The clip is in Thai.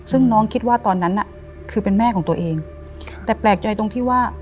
ซึ่งน้องคิดว่าตอนนั้นน่ะคือเป็นแม่ของตัวเองแต่แปลกใจตรงที่ว่า